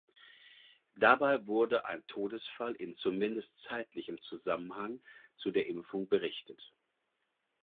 Dabei wurde ein Todesfall in zumindest zeitlichem Zusammenhang zu der Impfung berichtet.